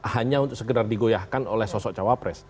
hanya untuk sekedar digoyahkan oleh sosok cawapres